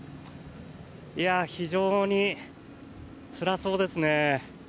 非常につらそうですね。